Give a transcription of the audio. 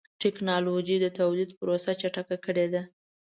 ټکنالوجي د تولید پروسه چټکه کړې ده.